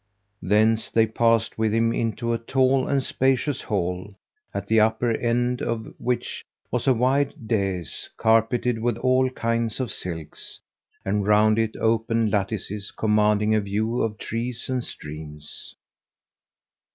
Thence they passed with him into a tall and spacious hall, at the upper end of which was a wide daïs carpeted with all kinds of silks, and round it open lattices commanding a view of trees and streams.